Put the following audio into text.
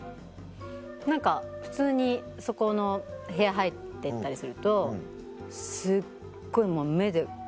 何か普通にそこの部屋入ってったりするとすっごい目で。